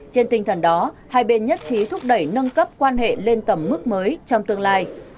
trên tinh thần đó hai bên nhất trí thúc đẩy nâng cấp quan hệ lên tầm mức mới trong tương lai